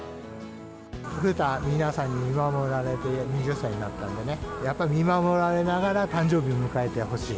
風太、皆さんに見守られて２０歳になったんでね、やっぱり見守られながら誕生日を迎えてほしい。